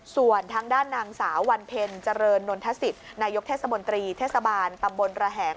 ส่วนทางด้านนางสาววันเพ็ญเจริญนนทศิษย์นายกเทศมนตรีเทศบาลตำบลระแหง